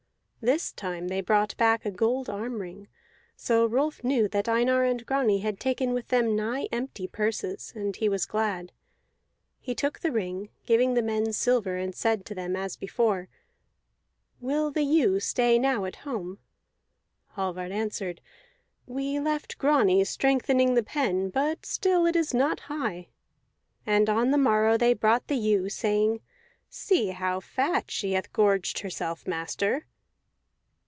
This time they brought back a gold arm ring; so Rolf knew that Einar and Grani had taken with them nigh empty purses, and he was glad. He took the ring, giving the men silver, and said to them as before: "Will the ewe stay now at home?" Hallvard answered, "We left Grani strengthening the pen, but still it is not high." And on the morrow they brought the ewe, saying, "See how fat she hath gorged herself, master."